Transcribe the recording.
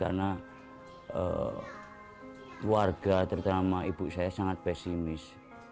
karena warga terutama ibu saya sangat pesimis